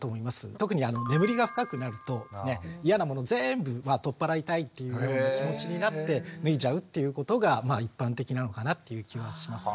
特に眠りが深くなると嫌なもの全部取っ払いたいっていう気持ちになって脱いじゃうっていうことが一般的なのかなっていう気はしますね。